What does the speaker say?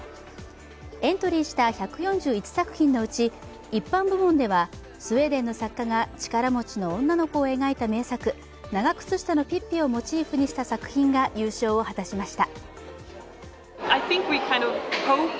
エントリーした１４１作品のうち一般部門ではスウェーデンの作家が力持ちの女の子を描いた名作「長くつ下のピッピ」をモチーフにした作品が優勝を果たしました。